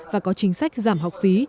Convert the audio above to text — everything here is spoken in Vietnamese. và có chính sách giảm học phí